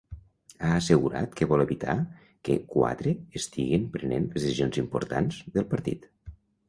Ha assegurat que vol evitar que ‘quatre estiguen prenent les decisions importants’ del partit.